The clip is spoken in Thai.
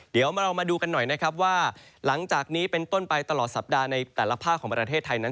เดี๋ยวเรามาดูกันหน่อยนะครับว่าหลังจากนี้เป็นต้นไปตลอดสัปดาห์ในแต่ละภาคของประเทศไทยนั้น